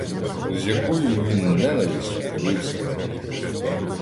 З якою він ненавистю дивився на них!